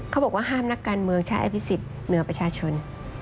เขาบอกว่าห้ามนักการเมืองใช้อภิษฎเหนือประชาชน